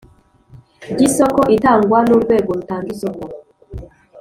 Ry isoko itangwa n urwego rutanga isoko